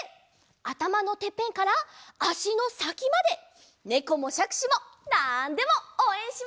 あたまのてっぺんからあしのさきまでねこもしゃくしもなんでもおうえんしますよ！